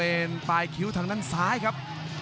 เป็นปลายคิ้วทางด้านซ้ายครับ